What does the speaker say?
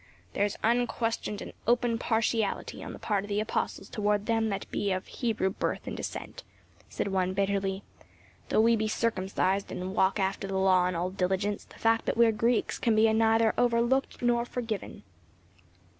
"There is unquestioned and open partiality on the part of the apostles toward them that be of Hebrew birth and descent," said one bitterly. "Though we be circumcised and walk after the law in all diligence, the fact that we are Greeks can be neither overlooked nor forgiven."